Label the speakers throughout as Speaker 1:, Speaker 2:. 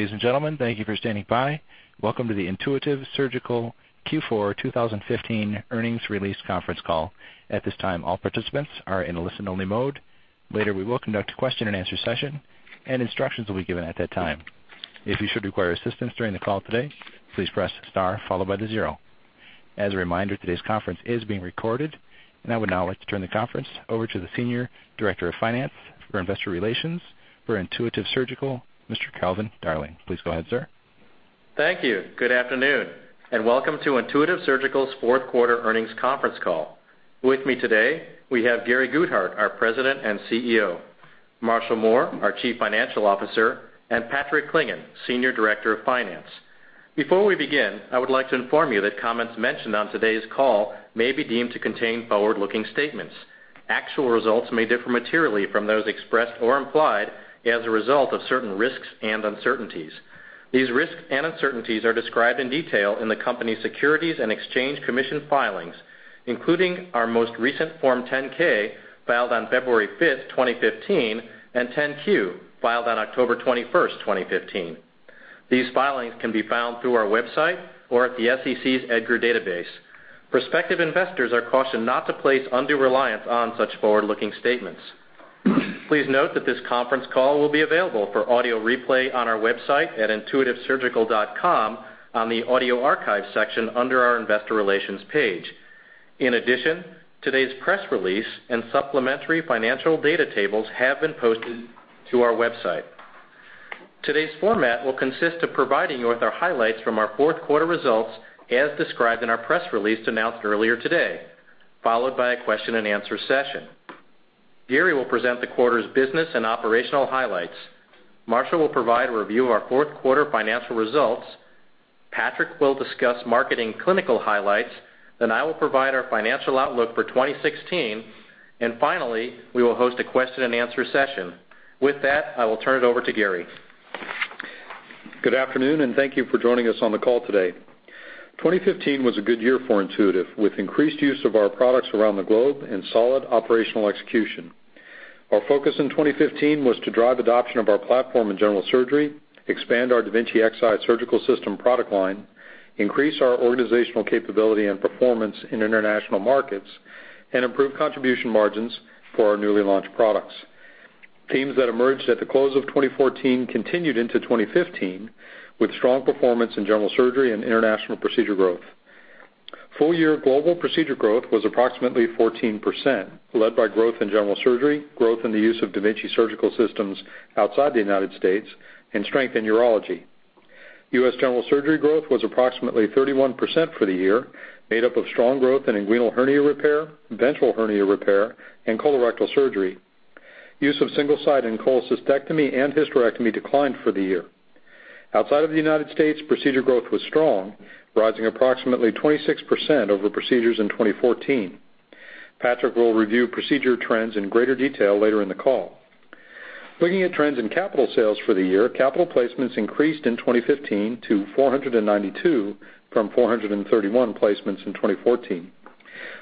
Speaker 1: Ladies and gentlemen, thank you for standing by. Welcome to the Intuitive Surgical Q4 2015 earnings release conference call. At this time, all participants are in a listen-only mode. Later, we will conduct a question-and-answer session, and instructions will be given at that time. If you should require assistance during the call today, please press star followed by the zero. As a reminder, today's conference is being recorded. I would now like to turn the conference over to the Senior Director of Finance for Investor Relations for Intuitive Surgical, Mr. Calvin Darling. Please go ahead, sir.
Speaker 2: Thank you. Good afternoon, and welcome to Intuitive Surgical's fourth quarter earnings conference call. With me today, we have Gary Guthart, our President and CEO, Marshall Mohr, our Chief Financial Officer, and Patrick Clingan, Senior Director of Finance. Before we begin, I would like to inform you that comments mentioned on today's call may be deemed to contain forward-looking statements. Actual results may differ materially from those expressed or implied as a result of certain risks and uncertainties. These risks and uncertainties are described in detail in the company's Securities and Exchange Commission filings, including our most recent Form 10-K filed on February fifth, 2015, and 10-Q, filed on October 21st, 2015. These filings can be found through our website or at the SEC's EDGAR database. Prospective investors are cautioned not to place undue reliance on such forward-looking statements. Please note that this conference call will be available for audio replay on our website at intuitivesurgical.com on the Audio Archive section under our Investor Relations page. In addition, today's press release and supplementary financial data tables have been posted to our website. Today's format will consist of providing you with our highlights from our fourth quarter results, as described in our press release announced earlier today, followed by a question-and-answer session. Gary will present the quarter's business and operational highlights. Marshall will provide a review of our fourth quarter financial results. Patrick will discuss marketing clinical highlights. I will provide our financial outlook for 2016. Finally, we will host a question-and-answer session. With that, I will turn it over to Gary.
Speaker 3: Good afternoon, and thank you for joining us on the call today. 2015 was a good year for Intuitive, with increased use of our products around the globe and solid operational execution. Our focus in 2015 was to drive adoption of our platform in general surgery, expand our da Vinci Xi Surgical System product line, increase our organizational capability and performance in international markets, and improve contribution margins for our newly launched products. Themes that emerged at the close of 2014 continued into 2015, with strong performance in general surgery and international procedure growth. Full-year global procedure growth was approximately 14%, led by growth in general surgery, growth in the use of da Vinci surgical systems outside the U.S., and strength in urology. U.S. general surgery growth was approximately 31% for the year, made up of strong growth in inguinal hernia repair, ventral hernia repair, and colorectal surgery. Use of single-site in cholecystectomy and hysterectomy declined for the year. Outside of the U.S., procedure growth was strong, rising approximately 26% over procedures in 2014. Patrick will review procedure trends in greater detail later in the call. Looking at trends in capital sales for the year, capital placements increased in 2015 to 492 from 431 placements in 2014.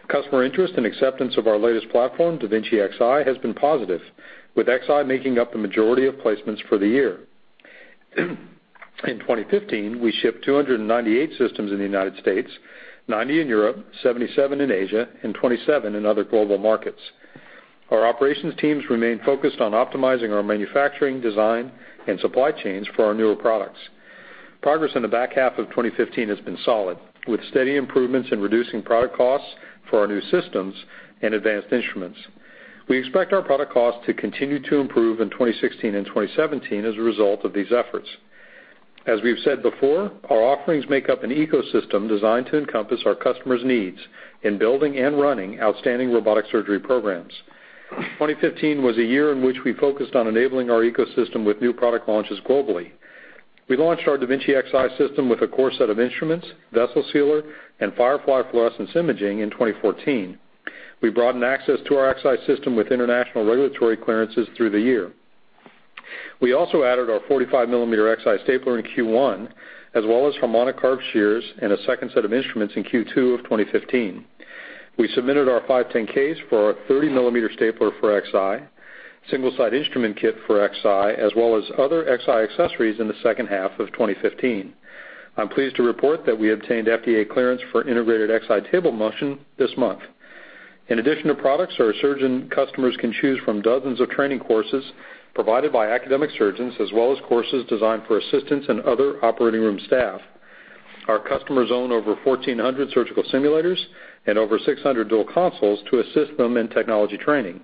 Speaker 3: Customer interest and acceptance of our latest platform, da Vinci Xi, has been positive, with Xi making up the majority of placements for the year. In 2015, we shipped 298 systems in the U.S., 90 in Europe, 77 in Asia, and 27 in other global markets. Our operations teams remain focused on optimizing our manufacturing design and supply chains for our newer products. Progress in the back half of 2015 has been solid, with steady improvements in reducing product costs for our new systems and advanced instruments. We expect our product costs to continue to improve in 2016 and 2017 as a result of these efforts. As we've said before, our offerings make up an ecosystem designed to encompass our customers' needs in building and running outstanding robotic surgery programs. 2015 was a year in which we focused on enabling our ecosystem with new product launches globally. We launched our da Vinci Xi system with a core set of instruments, vessel sealer, and Firefly fluorescence imaging in 2014. We broadened access to our Xi system with international regulatory clearances through the year. We also added our 45-millimeter Xi stapler in Q1, as well as Harmonic Curved Shears and a second set of instruments in Q2 of 2015. We submitted our 510(k)s for our 30-millimeter stapler for Xi, single-site instrument kit for Xi, as well as other Xi accessories in the second half of 2015. I'm pleased to report that we obtained FDA clearance for integrated Xi table motion this month. In addition to products, our surgeon customers can choose from dozens of training courses provided by academic surgeons, as well as courses designed for assistants and other operating room staff. Our customers own over 1,400 surgical simulators and over 600 dual consoles to assist them in technology training.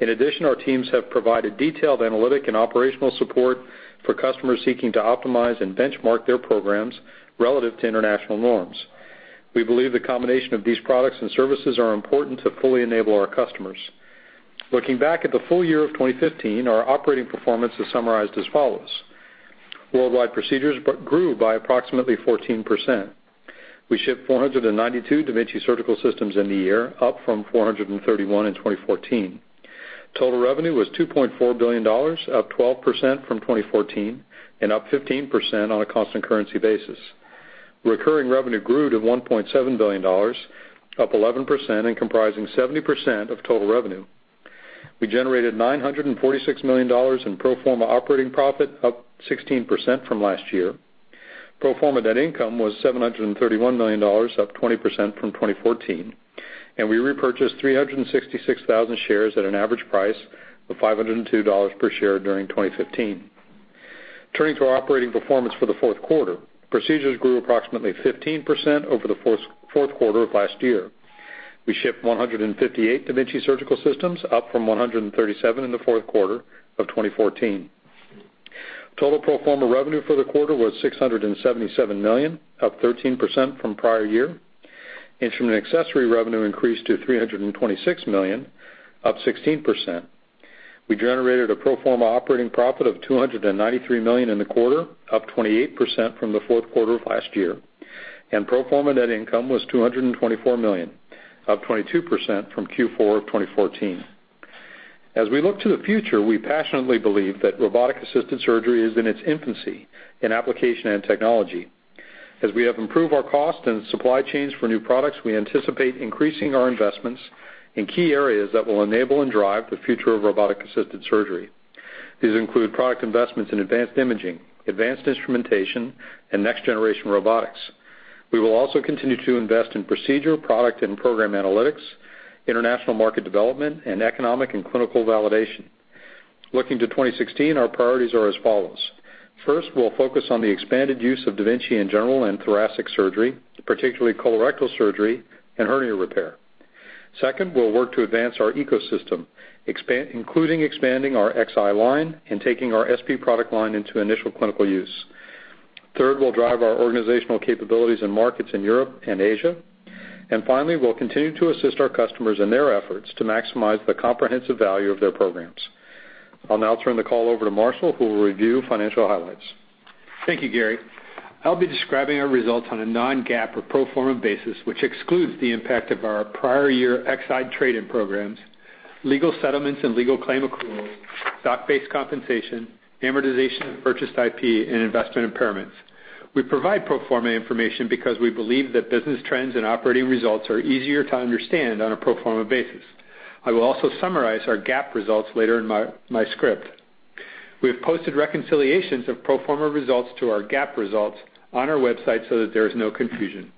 Speaker 3: In addition, our teams have provided detailed analytic and operational support for customers seeking to optimize and benchmark their programs relative to international norms. We believe the combination of these products and services are important to fully enable our customers. Looking back at the full year of 2015, our operating performance is summarized as follows. Worldwide procedures grew by approximately 14%. We shipped 492 da Vinci surgical systems in the year, up from 431 in 2014. Total revenue was $2.4 billion, up 12% from 2014 and up 15% on a constant currency basis. Recurring revenue grew to $1.7 billion, up 11% and comprising 70% of total revenue. We generated $946 million in pro forma operating profit, up 16% from last year. Pro forma net income was $731 million, up 20% from 2014. We repurchased 366,000 shares at an average price of $502 per share during 2015. Turning to our operating performance for the fourth quarter, procedures grew approximately 15% over the fourth quarter of last year. We shipped 158 da Vinci surgical systems, up from 137 in the fourth quarter of 2014. Total pro forma revenue for the quarter was $677 million, up 13% from prior year. Instrument accessory revenue increased to $326 million, up 16%. We generated a pro forma operating profit of $293 million in the quarter, up 28% from the fourth quarter of last year, and pro forma net income was $224 million, up 22% from Q4 of 2014. As we look to the future, we passionately believe that robotic-assisted surgery is in its infancy in application and technology. As we have improved our cost and supply chains for new products, we anticipate increasing our investments in key areas that will enable and drive the future of robotic-assisted surgery. These include product investments in advanced imaging, advanced instrumentation, and next-generation robotics. We will also continue to invest in procedural product and program analytics, international market development, and economic and clinical validation. Looking to 2016, our priorities are as follows. First, we'll focus on the expanded use of da Vinci in general and thoracic surgery, particularly colorectal surgery and hernia repair. Second, we'll work to advance our ecosystem, including expanding our Xi line and taking our SP product line into initial clinical use. Third, we'll drive our organizational capabilities and markets in Europe and Asia. Finally, we'll continue to assist our customers in their efforts to maximize the comprehensive value of their programs. I'll now turn the call over to Marshall, who will review financial highlights.
Speaker 4: Thank you, Gary. I'll be describing our results on a non-GAAP or pro forma basis, which excludes the impact of our prior year Xi trade-in programs, legal settlements and legal claim accruals, stock-based compensation, amortization of purchased IP, and investment impairments. We provide pro forma information because we believe that business trends and operating results are easier to understand on a pro forma basis. I will also summarize our GAAP results later in my script. We have posted reconciliations of pro forma results to our GAAP results on our website so that there is no confusion.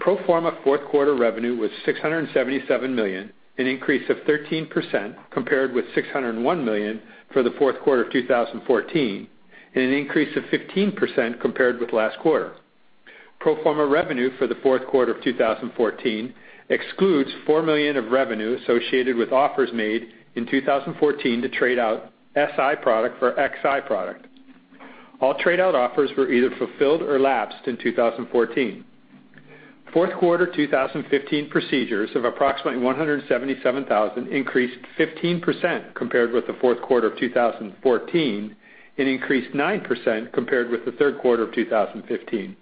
Speaker 4: Pro forma fourth quarter revenue was $677 million, an increase of 13% compared with $601 million for the fourth quarter of 2014, and an increase of 15% compared with last quarter. Pro forma revenue for the fourth quarter of 2014 excludes $4 million of revenue associated with offers made in 2014 to trade out Si product for Xi product. All trade-out offers were either fulfilled or lapsed in 2014. Fourth quarter 2015 procedures of approximately 177,000 increased 15% compared with the fourth quarter of 2014 and increased 9% compared with the third quarter of 2015.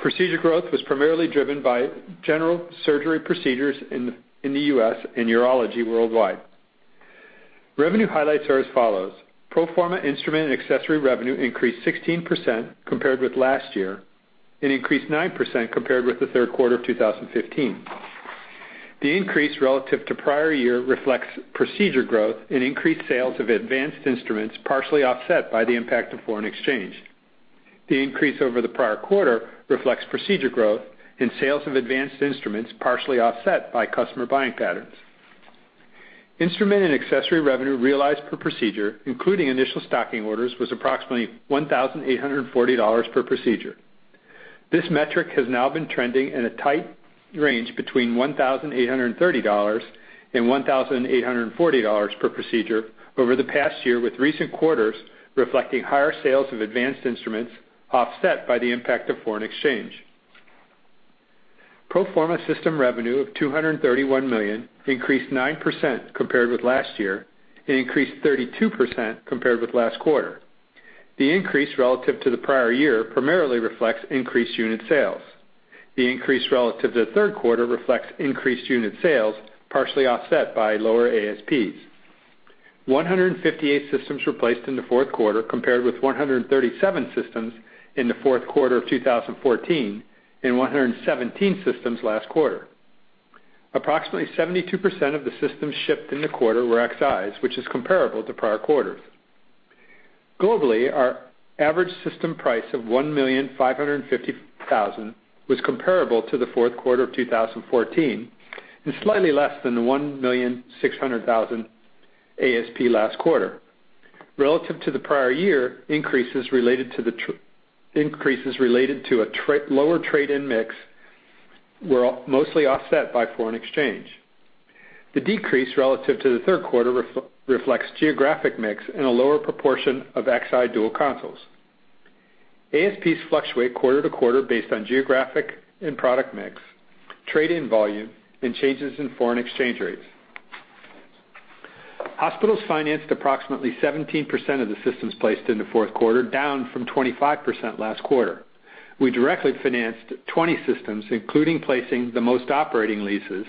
Speaker 4: Procedure growth was primarily driven by general surgery procedures in the U.S. and urology worldwide. Revenue highlights are as follows. Pro forma instrument and accessory revenue increased 16% compared with last year and increased 9% compared with the third quarter of 2015. The increase relative to prior year reflects procedure growth and increased sales of advanced instruments, partially offset by the impact of foreign exchange. The increase over the prior quarter reflects procedure growth and sales of advanced instruments, partially offset by customer buying patterns. Instrument and accessory revenue realized per procedure, including initial stocking orders, was approximately $1,840 per procedure. This metric has now been trending in a tight range between $1,830 and $1,840 per procedure over the past year, with recent quarters reflecting higher sales of advanced instruments offset by the impact of foreign exchange. Pro forma system revenue of $231 million increased 9% compared with last year and increased 32% compared with last quarter. The increase relative to the prior year primarily reflects increased unit sales. The increase relative to the third quarter reflects increased unit sales, partially offset by lower ASPs. 158 systems were placed in the fourth quarter compared with 137 systems in the fourth quarter of 2014 and 117 systems last quarter. Approximately 72% of the systems shipped in the quarter were Xis, which is comparable to prior quarters. Globally, our average system price of $1,550,000 was comparable to the fourth quarter of 2014 and slightly less than the $1,600,000 ASP last quarter. Relative to the prior year, increases related to a lower trade-in mix were mostly offset by foreign exchange. The decrease relative to the third quarter reflects geographic mix and a lower proportion of Xi dual consoles. ASPs fluctuate quarter to quarter based on geographic and product mix, trade-in volume, and changes in foreign exchange rates. Hospitals financed approximately 17% of the systems placed in the fourth quarter, down from 25% last quarter. We directly financed 20 systems, including placing the most operating leases,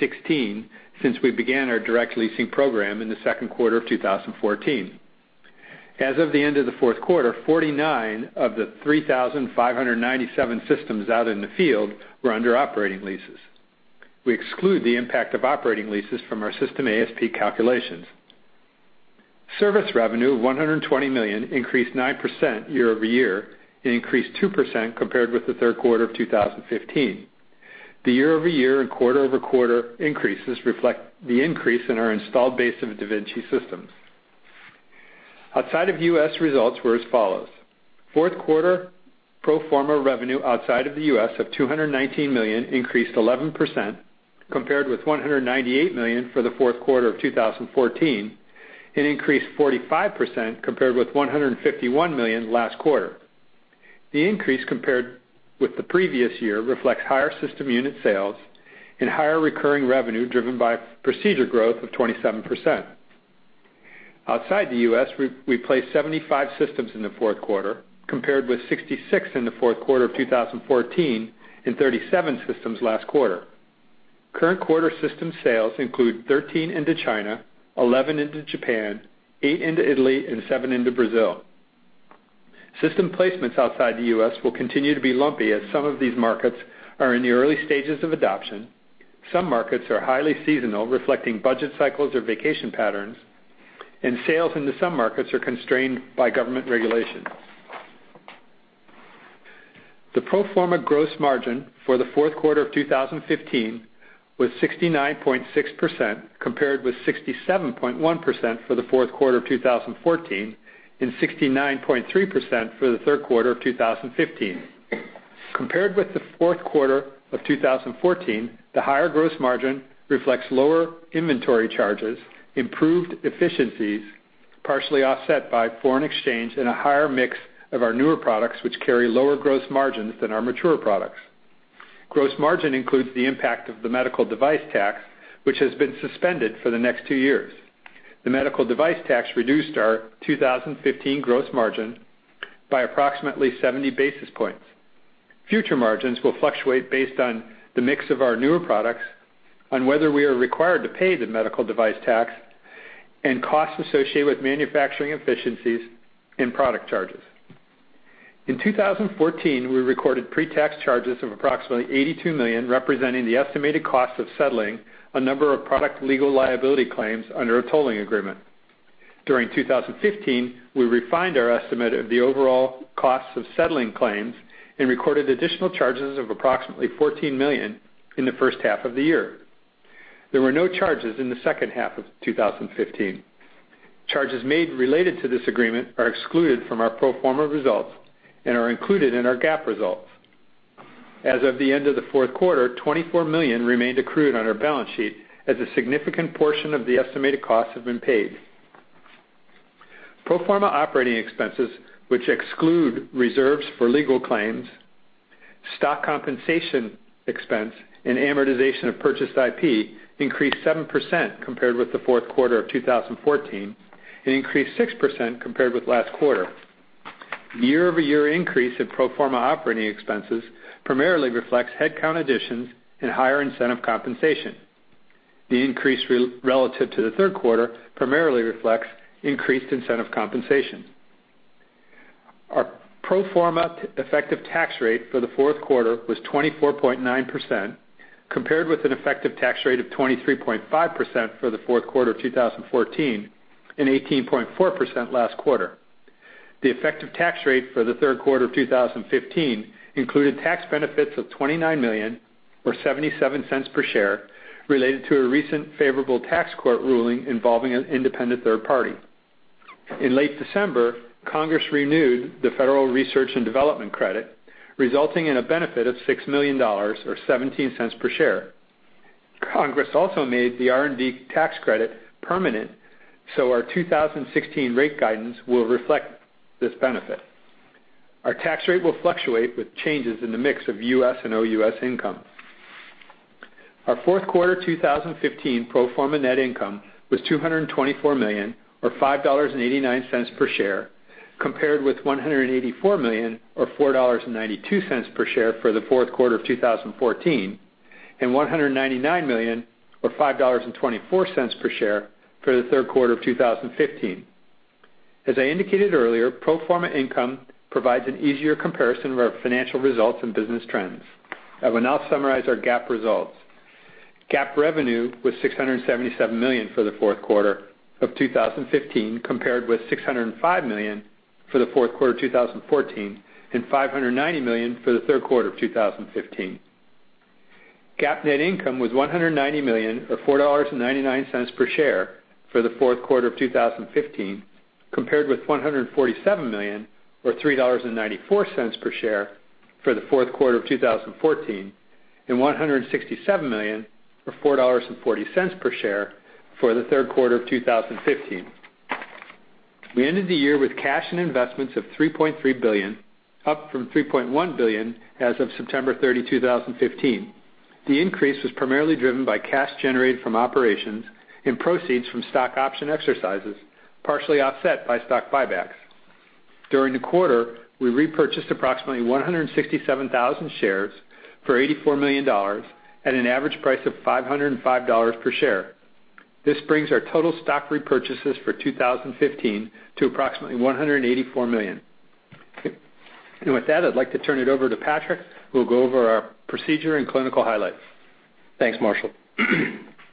Speaker 4: 16, since we began our direct leasing program in the second quarter of 2014. As of the end of the fourth quarter, 49 of the 3,597 systems out in the field were under operating leases. We exclude the impact of operating leases from our system ASP calculations. Service revenue of $120 million increased 9% year-over-year and increased 2% compared with the third quarter of 2015. The year-over-year and quarter-over-quarter increases reflect the increase in our installed base of da Vinci systems. Outside of U.S., results were as follows. Fourth quarter pro forma revenue outside of the U.S. of $219 million increased 11% compared with $198 million for the fourth quarter of 2014, and increased 45% compared with $151 million last quarter. The increase compared with the previous year reflects higher system unit sales and higher recurring revenue driven by procedure growth of 27%. Outside the U.S., we placed 75 systems in the fourth quarter, compared with 66 in the fourth quarter of 2014, and 37 systems last quarter. Current quarter system sales include 13 into China, 11 into Japan, eight into Italy, and seven into Brazil. System placements outside the U.S. will continue to be lumpy as some of these markets are in the early stages of adoption. Some markets are highly seasonal, reflecting budget cycles or vacation patterns, and sales into some markets are constrained by government regulation. The pro forma gross margin for the fourth quarter of 2015 was 69.6%, compared with 67.1% for the fourth quarter of 2014, and 69.3% for the third quarter of 2015. Compared with the fourth quarter of 2014, the higher gross margin reflects lower inventory charges, improved efficiencies, partially offset by foreign exchange and a higher mix of our newer products, which carry lower gross margins than our mature products. Gross margin includes the impact of the medical device tax, which has been suspended for the next two years. The medical device tax reduced our 2015 gross margin by approximately 70 basis points. Future margins will fluctuate based on the mix of our newer products, on whether we are required to pay the medical device tax, and costs associated with manufacturing efficiencies and product charges. In 2014, we recorded pre-tax charges of approximately $82 million, representing the estimated cost of settling a number of product legal liability claims under a tolling agreement. During 2015, we refined our estimate of the overall costs of settling claims and recorded additional charges of approximately $14 million in the first half of the year. There were no charges in the second half of 2015. Charges made related to this agreement are excluded from our pro forma results and are included in our GAAP results. As of the end of the fourth quarter, $24 million remained accrued on our balance sheet as a significant portion of the estimated costs have been paid. Pro forma operating expenses, which exclude reserves for legal claims, stock compensation expense, and amortization of purchased IP, increased 7% compared with the fourth quarter of 2014, and increased 6% compared with last quarter. Year-over-year increase in pro forma operating expenses primarily reflects headcount additions and higher incentive compensation. The increase relative to the third quarter primarily reflects increased incentive compensation. Our pro forma effective tax rate for the fourth quarter was 24.9%, compared with an effective tax rate of 23.5% for the fourth quarter of 2014, and 18.4% last quarter. The effective tax rate for the third quarter of 2015 included tax benefits of $29 million, or $0.77 per share, related to a recent favorable tax court ruling involving an independent third party. In late December, Congress renewed the Federal Research and Development Credit, resulting in a benefit of $6 million, or $0.17 per share. Congress also made the R&D tax credit permanent, so our 2016 rate guidance will reflect this benefit. Our tax rate will fluctuate with changes in the mix of U.S. and OUS income. Our fourth quarter 2015 pro forma net income was $224 million, or $5.89 per share, compared with $184 million, or $4.92 per share for the fourth quarter of 2014, and $199 million, or $5.24 per share for the third quarter of 2015. As I indicated earlier, pro forma income provides an easier comparison of our financial results and business trends. I will now summarize our GAAP results. GAAP revenue was $677 million for the fourth quarter of 2015, compared with $605 million for the fourth quarter of 2014, and $590 million for the third quarter of 2015. GAAP net income was $190 million, or $4.99 per share for the fourth quarter of 2015, compared with $147 million, or $3.94 per share for the fourth quarter of 2014, and $167 million, or $4.40 per share for the third quarter of 2015. We ended the year with cash and investments of $3.3 billion, up from $3.1 billion as of September 30, 2015. The increase was primarily driven by cash generated from operations and proceeds from stock option exercises, partially offset by stock buybacks. During the quarter, we repurchased approximately 167,000 shares for $84 million at an average price of $505 per share. This brings our total stock repurchases for 2015 to approximately $184 million. With that, I'd like to turn it over to Patrick, who will go over our procedure and clinical highlights.
Speaker 5: Thanks, Marshall.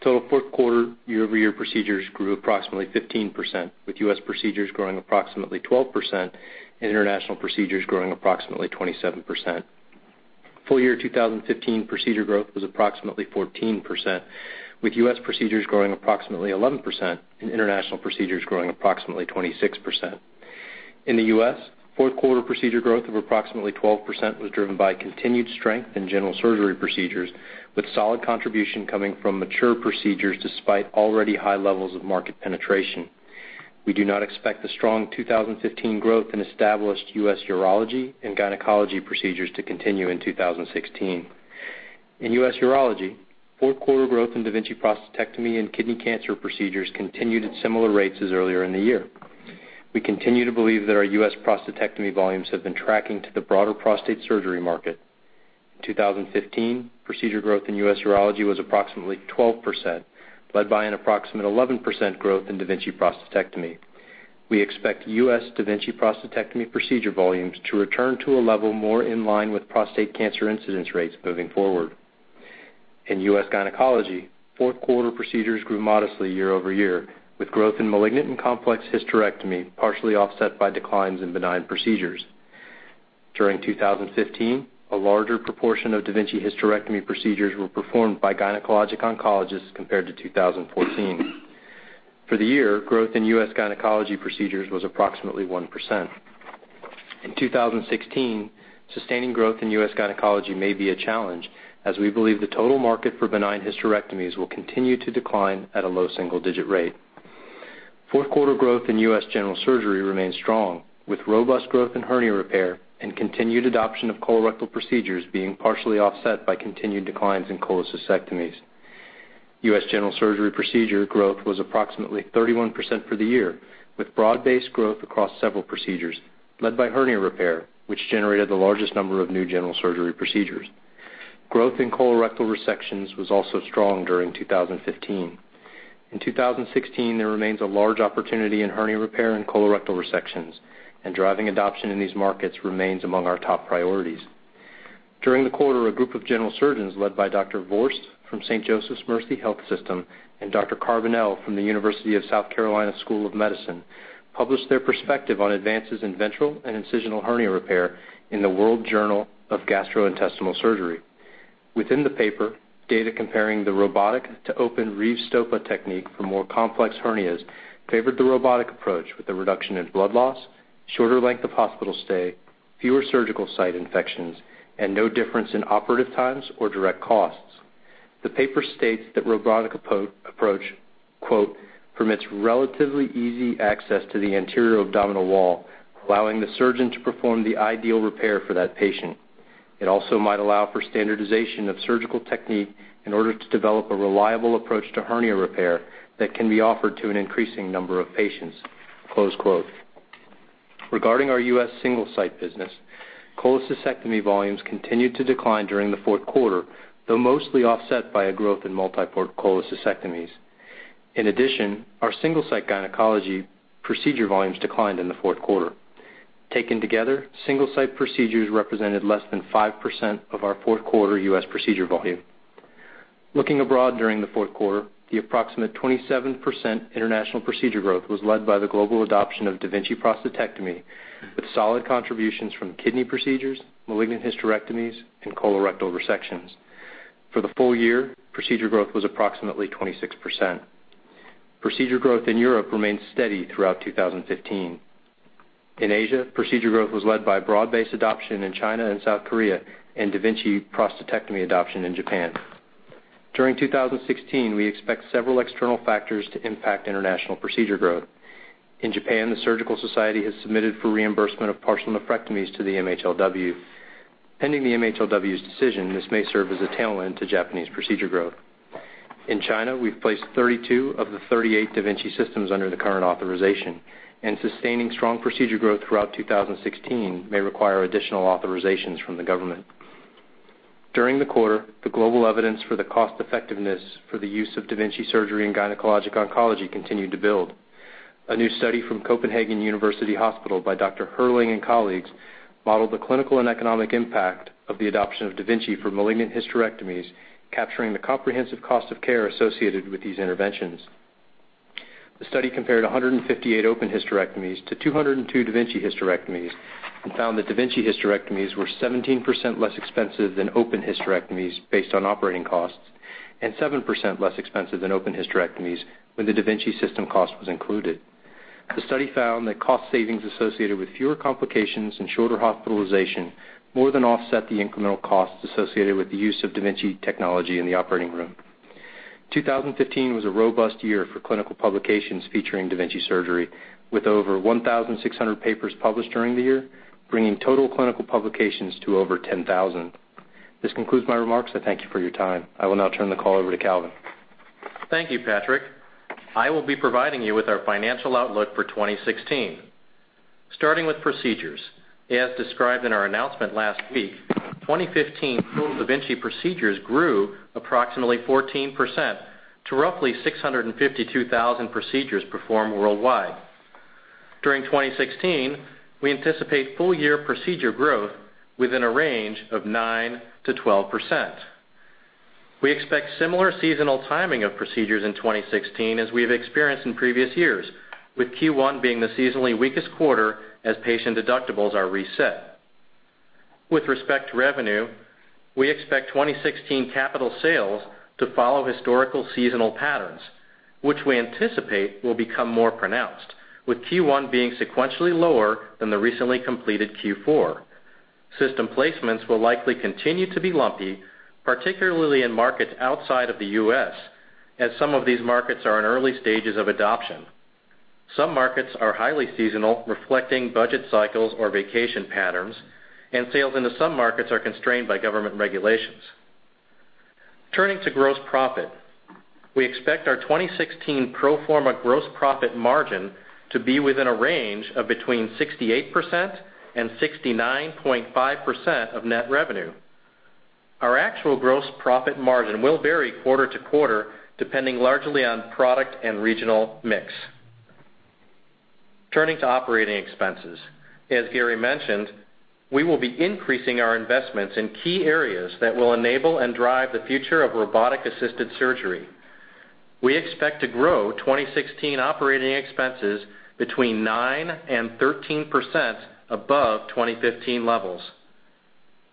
Speaker 5: Total fourth quarter year-over-year procedures grew approximately 15%, with U.S. procedures growing approximately 12% and international procedures growing approximately 27%. Full year 2015 procedure growth was approximately 14%, with U.S. procedures growing approximately 11% and international procedures growing approximately 26%. In the U.S., fourth quarter procedure growth of approximately 12% was driven by continued strength in general surgery procedures, with solid contribution coming from mature procedures despite already high levels of market penetration. We do not expect the strong 2015 growth in established U.S. urology and gynecology procedures to continue in 2016. In U.S. urology, fourth quarter growth in da Vinci prostatectomy and kidney cancer procedures continued at similar rates as earlier in the year. We continue to believe that our U.S. prostatectomy volumes have been tracking to the broader prostate surgery market. In 2015, procedure growth in U.S. urology was approximately 12%, led by an approximate 11% growth in da Vinci prostatectomy. We expect U.S. da Vinci prostatectomy procedure volumes to return to a level more in line with prostate cancer incidence rates moving forward. In U.S. gynecology, fourth quarter procedures grew modestly year-over-year, with growth in malignant and complex hysterectomy partially offset by declines in benign procedures. During 2015, a larger proportion of da Vinci hysterectomy procedures were performed by gynecologic oncologists compared to 2014. For the year, growth in U.S. gynecology procedures was approximately 1%. In 2016, sustaining growth in U.S. gynecology may be a challenge, as we believe the total market for benign hysterectomies will continue to decline at a low single-digit rate. Fourth quarter growth in U.S. general surgery remains strong, with robust growth in hernia repair and continued adoption of colorectal procedures being partially offset by continued declines in cholecystectomies. U.S. general surgery procedure growth was approximately 31% for the year, with broad-based growth across several procedures led by hernia repair, which generated the largest number of new general surgery procedures. Growth in colorectal resections was also strong during 2015. In 2016, there remains a large opportunity in hernia repair and colorectal resections. Driving adoption in these markets remains among our top priorities. During the quarter, a group of general surgeons led by Dr. Vorst from Saint Joseph Mercy Health System and Dr. Carbonell from the University of South Carolina School of Medicine published their perspective on advances in ventral and incisional hernia repair in the World Journal of Gastrointestinal Surgery. Within the paper, data comparing the robotic to open Rives-Stoppa technique for more complex hernias favored the robotic approach with a reduction in blood loss, shorter length of hospital stay, fewer surgical site infections, and no difference in operative times or direct costs. The paper states that robotic approach "permits relatively easy access to the anterior abdominal wall, allowing the surgeon to perform the ideal repair for that patient. It also might allow for standardization of surgical technique in order to develop a reliable approach to hernia repair that can be offered to an increasing number of patients." Regarding our U.S. single-site business, cholecystectomy volumes continued to decline during the fourth quarter, though mostly offset by a growth in multi-port cholecystectomies. In addition, our single-site gynecology procedure volumes declined in the fourth quarter. Taken together, single-site procedures represented less than 5% of our fourth quarter U.S. procedure volume. Looking abroad during the fourth quarter, the approximate 27% international procedure growth was led by the global adoption of da Vinci prostatectomy, with solid contributions from kidney procedures, malignant hysterectomies, and colorectal resections. For the full year, procedure growth was approximately 26%. Procedure growth in Europe remained steady throughout 2015. In Asia, procedure growth was led by broad-based adoption in China and South Korea and da Vinci prostatectomy adoption in Japan. During 2016, we expect several external factors to impact international procedure growth. In Japan, the surgical society has submitted for reimbursement of partial nephrectomies to the MHLW. Pending the MHLW's decision, this may serve as a tailwind to Japanese procedure growth. In China, we've placed 32 of the 38 da Vinci systems under the current authorization, and sustaining strong procedure growth throughout 2016 may require additional authorizations from the government. During the quarter, the global evidence for the cost effectiveness for the use of da Vinci surgery in gynecologic oncology continued to build. A new study from Copenhagen University Hospital by Dr. Herling and colleagues modeled the clinical and economic impact of the adoption of da Vinci for malignant hysterectomies, capturing the comprehensive cost of care associated with these interventions. The study compared 158 open hysterectomies to 202 da Vinci hysterectomies and found that da Vinci hysterectomies were 17% less expensive than open hysterectomies based on operating costs and 7% less expensive than open hysterectomies when the da Vinci system cost was included. The study found that cost savings associated with fewer complications and shorter hospitalization more than offset the incremental costs associated with the use of da Vinci technology in the operating room. 2015 was a robust year for clinical publications featuring da Vinci surgery, with over 1,600 papers published during the year, bringing total clinical publications to over 10,000. This concludes my remarks. I thank you for your time. I will now turn the call over to Calvin.
Speaker 2: Thank you, Patrick. I will be providing you with our financial outlook for 2016. Starting with procedures. As described in our announcement last week, 2015 total da Vinci procedures grew approximately 14% to roughly 652,000 procedures performed worldwide. During 2016, we anticipate full year procedure growth within a range of 9%-12%. We expect similar seasonal timing of procedures in 2016 as we have experienced in previous years, with Q1 being the seasonally weakest quarter as patient deductibles are reset. With respect to revenue, we expect 2016 capital sales to follow historical seasonal patterns, which we anticipate will become more pronounced, with Q1 being sequentially lower than the recently completed Q4. System placements will likely continue to be lumpy, particularly in markets outside of the U.S., as some of these markets are in early stages of adoption. Some markets are highly seasonal, reflecting budget cycles or vacation patterns, and sales into some markets are constrained by government regulations. Turning to gross profit. We expect our 2016 pro forma gross profit margin to be within a range of between 68% and 69.5% of net revenue. Our actual gross profit margin will vary quarter to quarter, depending largely on product and regional mix. Turning to operating expenses. As Gary mentioned, we will be increasing our investments in key areas that will enable and drive the future of robotic-assisted surgery. We expect to grow 2016 operating expenses between 9% and 13% above 2015 levels.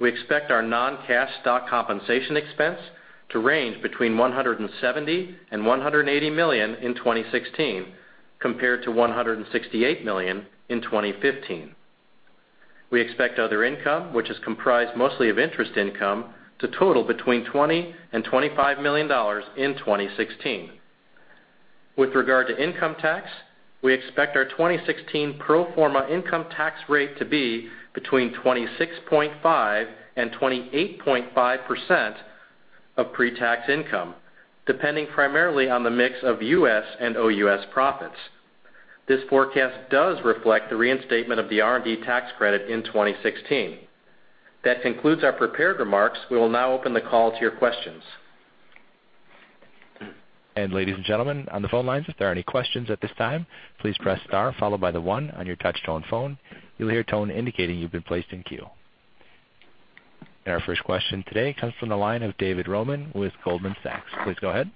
Speaker 2: We expect our non-cash stock compensation expense to range between $170 million and $180 million in 2016, compared to $168 million in 2015. We expect other income, which is comprised mostly of interest income, to total between $20 million and $25 million in 2016. With regard to income tax, we expect our 2016 pro forma income tax rate to be between 26.5% and 28.5% of pre-tax income, depending primarily on the mix of U.S. and OUS profits. This forecast does reflect the reinstatement of the R&D tax credit in 2016. That concludes our prepared remarks. We will now open the call to your questions.
Speaker 1: Ladies and gentlemen on the phone lines, if there are any questions at this time, please press star followed by the one on your touch-tone phone. You'll hear a tone indicating you've been placed in queue. Our first question today comes from the line of David Roman with Goldman Sachs. Please go ahead.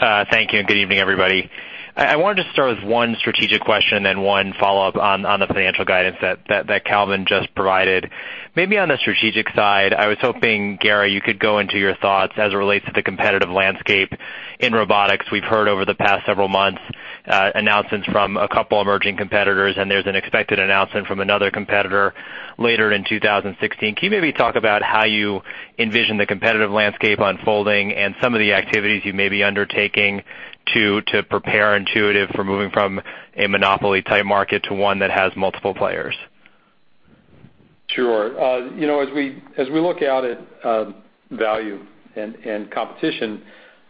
Speaker 6: Thank you and good evening, everybody. I wanted to start with one strategic question and one follow-up on the financial guidance that Calvin just provided. Maybe on the strategic side, I was hoping, Gary, you could go into your thoughts as it relates to the competitive landscape in robotics. We've heard over the past several months, announcements from a couple emerging competitors. There's an expected announcement from another competitor later in 2016. Can you maybe talk about how you envision the competitive landscape unfolding and some of the activities you may be undertaking to prepare Intuitive for moving from a monopoly-type market to one that has multiple players?
Speaker 3: Sure. As we look out at value and competition,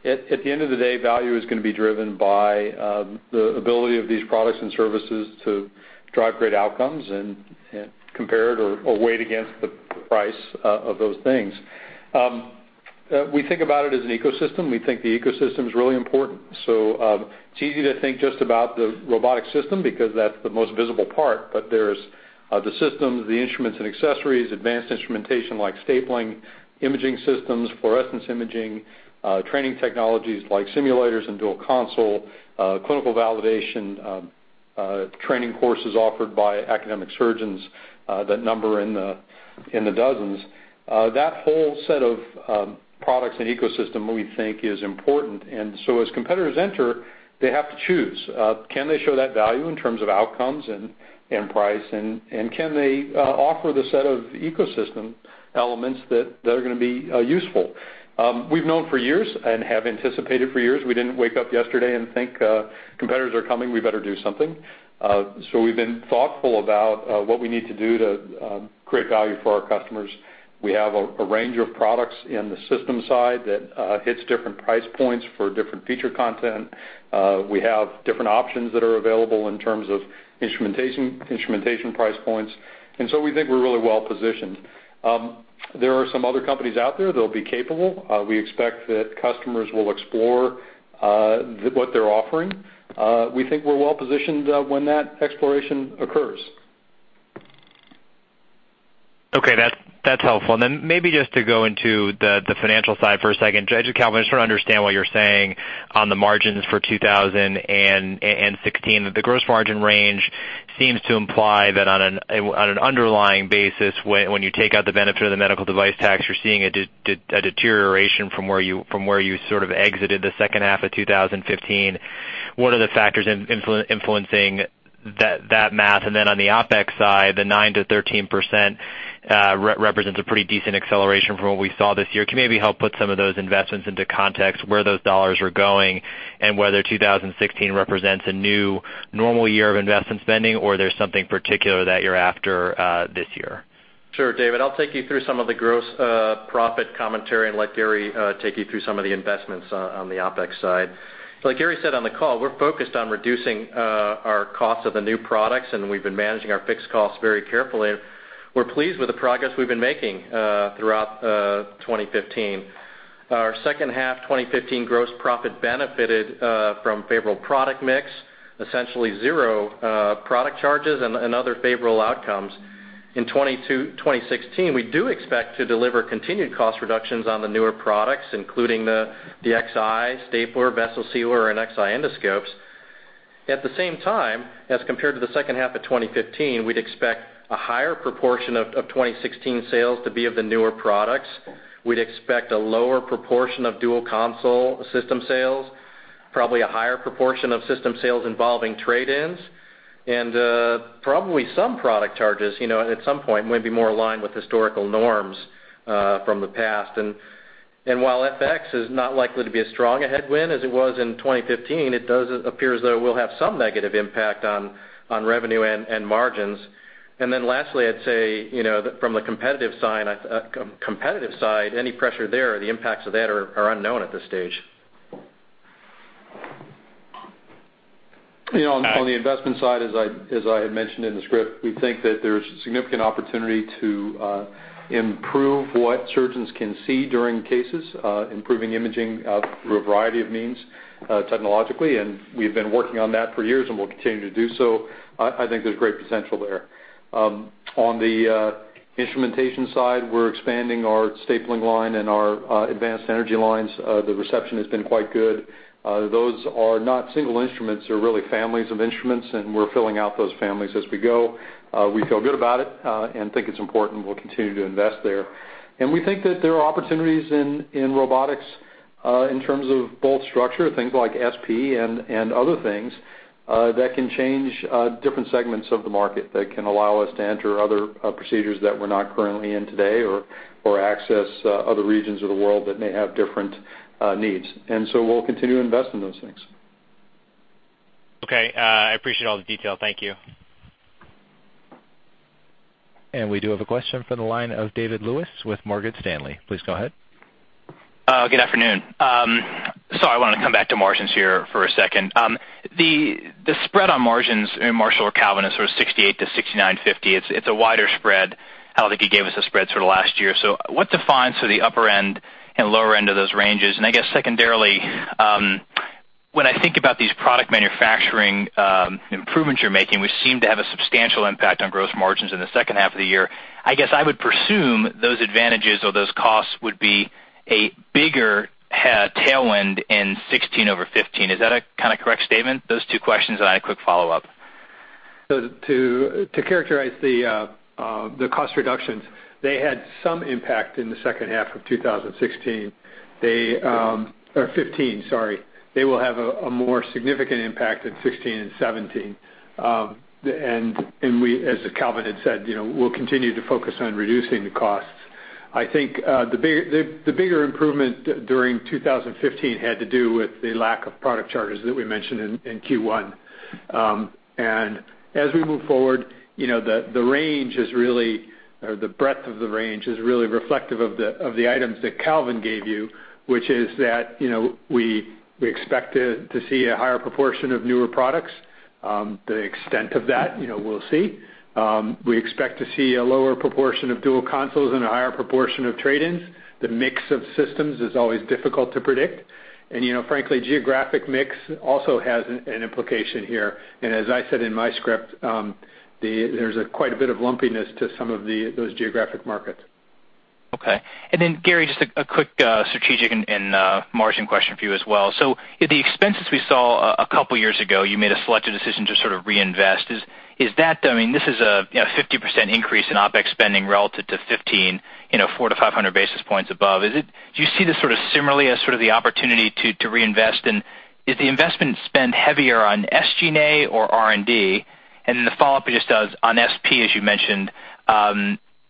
Speaker 3: at the end of the day, value is going to be driven by the ability of these products and services to drive great outcomes and compared or weighed against the price of those things. We think about it as an ecosystem. We think the ecosystem is really important. It's easy to think just about the robotic system because that's the most visible part, but there's the systems, the instruments and accessories, advanced instrumentation like stapling, imaging systems, fluorescence imaging, training technologies like simulators and dual console, clinical validation, training courses offered by academic surgeons that number in the dozens. That whole set of products and ecosystem, we think, is important. As competitors enter, they have to choose. Can they show that value in terms of outcomes and price, can they offer the set of ecosystem elements that are going to be useful? We've known for years and have anticipated for years. We didn't wake up yesterday and think, "Competitors are coming, we better do something." We've been thoughtful about what we need to do to create value for our customers. We have a range of products in the system side that hits different price points for different feature content. We have different options that are available in terms of instrumentation price points. We think we're really well-positioned. There are some other companies out there that'll be capable. We expect that customers will explore what they're offering. We think we're well-positioned when that exploration occurs.
Speaker 6: Okay. That's helpful. Then maybe just to go into the financial side for a second. Calvin, I just want to understand what you're saying on the margins for 2016. The gross margin range seems to imply that on an underlying basis, when you take out the benefit of the medical device tax, you're seeing a deterioration from where you sort of exited the second half of 2015. What are the factors influencing that math? Then on the OpEx side, the 9%-13% represents a pretty decent acceleration from what we saw this year. Can you maybe help put some of those investments into context, where those dollars are going, and whether 2016 represents a new normal year of investment spending or there's something particular that you're after this year?
Speaker 4: Sure, David. I'll take you through some of the gross profit commentary and let Gary take you through some of the investments on the OpEx side. Like Gary said on the call, we're focused on reducing our cost of the new products, and we've been managing our fixed costs very carefully. We're pleased with the progress we've been making throughout 2015. Our second half 2015 gross profit benefited from favorable product mix, essentially zero product charges, and other favorable outcomes. In 2016, we do expect to deliver continued cost reductions on the newer products, including the Xi stapler, vessel sealer, and Xi endoscopes. At the same time, as compared to the second half of 2015, we'd expect a higher proportion of 2016 sales to be of the newer products. We'd expect a lower proportion of dual console system sales, probably a higher proportion of system sales involving trade-ins, and probably some product charges at some point might be more aligned with historical norms from the past. While FX is not likely to be as strong a headwind as it was in 2015, it does appear as though it will have some negative impact on revenue and margins. Lastly, I'd say that from the competitive side, any pressure there or the impacts of that are unknown at this stage.
Speaker 3: On the investment side, as I had mentioned in the script, we think that there's significant opportunity to improve what surgeons can see during cases, improving imaging through a variety of means technologically, and we've been working on that for years and will continue to do so. I think there's great potential there. On the instrumentation side, we're expanding our stapling line and our advanced energy lines. The reception has been quite good. Those are not single instruments, they're really families of instruments, and we're filling out those families as we go. We feel good about it and think it's important. We'll continue to invest there. We think that there are opportunities in robotics in terms of both structure, things like SP and other things that can change different segments of the market, that can allow us to enter other procedures that we're not currently in today or access other regions of the world that may have different needs. We'll continue to invest in those things.
Speaker 6: Okay. I appreciate all the detail. Thank you.
Speaker 1: We do have a question from the line of David Lewis with Morgan Stanley. Please go ahead.
Speaker 7: Good afternoon. I want to come back to margins here for a second. The spread on margins in Marshall or Calvin is sort of 68%-69.50%. It's a wider spread. I don't think you gave us a spread sort of last year. What defines the upper end and lower end of those ranges? I guess secondarily, when I think about these product manufacturing improvements you're making, which seem to have a substantial impact on gross margins in the second half of the year, I guess I would presume those advantages or those costs would be a bigger tailwind in 2016 over 2015. Is that a kind of correct statement? Those two questions, and I had a quick follow-up.
Speaker 4: To characterize the cost reductions, they had some impact in the second half of 2016. 2015, sorry. They will have a more significant impact in 2016 and 2017. As Calvin had said, we'll continue to focus on reducing the costs. I think the bigger improvement during 2015 had to do with the lack of product charges that we mentioned in Q1. As we move forward, the breadth of the range is really reflective of the items that Calvin gave you, which is that we expect to see a higher proportion of newer products. The extent of that, we'll see. We expect to see a lower proportion of dual consoles and a higher proportion of trade-ins. The mix of systems is always difficult to predict. Frankly, geographic mix also has an implication here. As I said in my script, there's quite a bit of lumpiness to some of those geographic markets.
Speaker 7: Okay. Gary, just a quick strategic and margin question for you as well. The expenses we saw a couple years ago, you made a selective decision to sort of reinvest. This is a 50% increase in OpEx spending relative to 2015, 400-500 basis points above. Do you see this sort of similarly as sort of the opportunity to reinvest? Is the investment spend heavier on SG&A or R&D? The follow-up just does on SP, as you mentioned,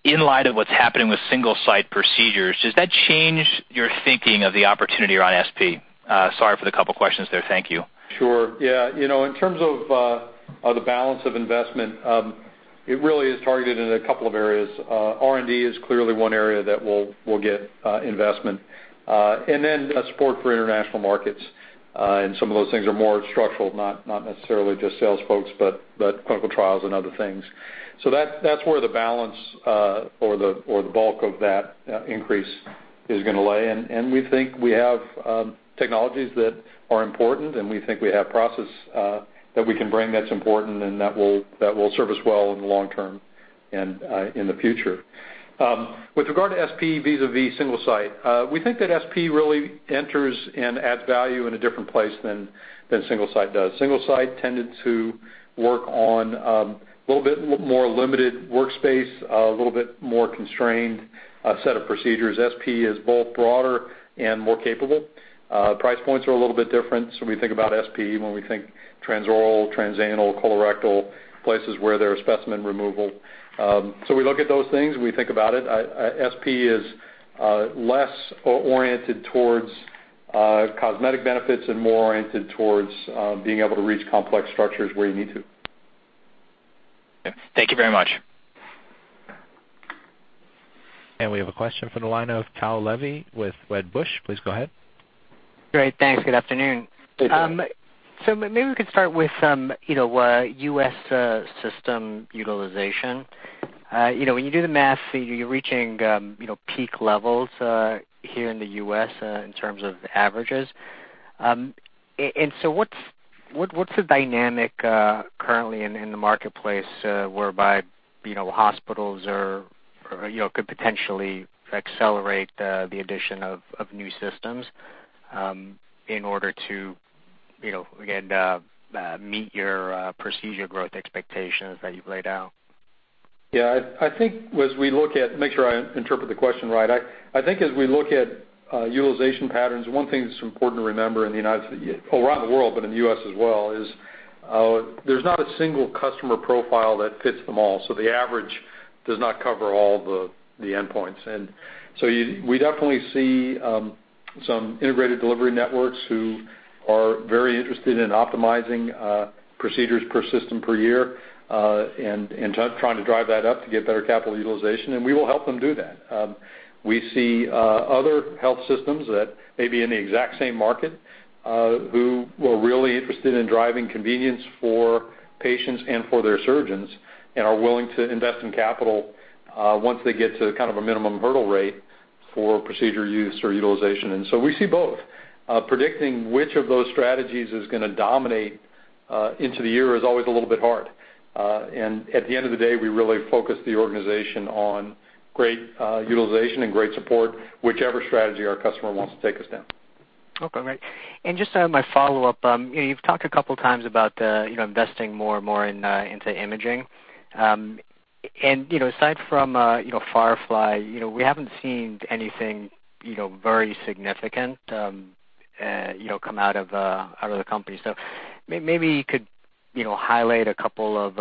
Speaker 7: in light of what's happening with single-site procedures, does that change your thinking of the opportunity around SP? Sorry for the couple questions there. Thank you.
Speaker 3: Sure. Yeah. In terms of the balance of investment, it really is targeted in a couple of areas. R&D is clearly one area that will get investment, support for international markets. Some of those things are more structural, not necessarily just sales folks, but clinical trials and other things. That's where the balance or the bulk of that increase is going to lay. We think we have technologies that are important, we think we have process that we can bring that's important and that will serve us well in the long term and in the future. With regard to SP vis-a-vis single-site, we think that SP really enters and adds value in a different place than single-site does. Single-site tended to work on a little bit more limited workspace, a little bit more constrained set of procedures. SP is both broader and more capable. Price points are a little bit different. We think about SP when we think transoral, transanal, colorectal, places where there are specimen removal. We look at those things, we think about it. SP is less oriented towards, cosmetic benefits and more oriented towards being able to reach complex structures where you need to.
Speaker 7: Thank you very much.
Speaker 1: We have a question from the line of Tao Levy with Wedbush Securities. Please go ahead.
Speaker 8: Great. Thanks. Good afternoon.
Speaker 3: Good afternoon.
Speaker 8: Maybe we could start with some U.S. system utilization. When you do the math, you're reaching peak levels here in the U.S. in terms of averages. What's the dynamic currently in the marketplace whereby hospitals could potentially accelerate the addition of new systems in order to meet your procedure growth expectations that you've laid out?
Speaker 3: Yeah. Make sure I interpret the question right. I think as we look at utilization patterns, one thing that's important to remember around the world, but in the U.S. as well, is there's not a single customer profile that fits them all. The average does not cover all the endpoints. We definitely see some integrated delivery networks who are very interested in optimizing procedures per system per year, and trying to drive that up to get better capital utilization. We will help them do that. We see other health systems that may be in the exact same market who were really interested in driving convenience for patients and for their surgeons and are willing to invest in capital once they get to kind of a minimum hurdle rate for procedure use or utilization. We see both. Predicting which of those strategies is going to dominate into the year is always a little bit hard. At the end of the day, we really focus the organization on great utilization and great support, whichever strategy our customer wants to take us down.
Speaker 8: Okay, great. Just my follow-up. You've talked a couple of times about investing more and more into imaging. Aside from Firefly, we haven't seen anything very significant come out of the company. Maybe you could highlight a couple of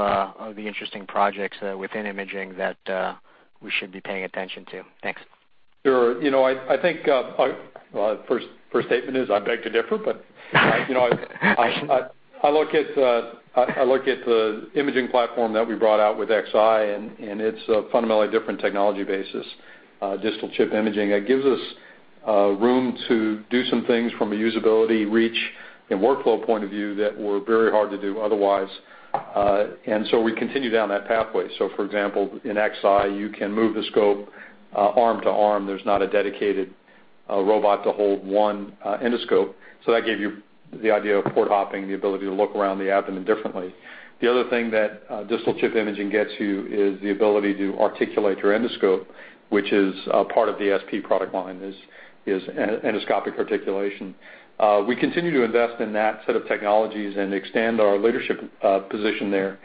Speaker 8: the interesting projects within imaging that we should be paying attention to. Thanks.
Speaker 3: Sure. I think first statement is I beg to differ. I look at the imaging platform that we brought out with Xi, it's a fundamentally different technology basis. Distal chip imaging. That gives us room to do some things from a usability reach and workflow point of view that were very hard to do otherwise. We continue down that pathway. For example, in Xi, you can move the scope arm to arm. There's not a dedicated robot to hold one endoscope. That gave you the idea of port hopping, the ability to look around the abdomen differently. The other thing that distal chip imaging gets you is the ability to articulate your endoscope, which is part of the SP product line, is endoscopic articulation. We continue to invest in that set of technologies and extend our leadership position there